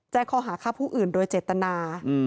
ข้อหาฆ่าผู้อื่นโดยเจตนา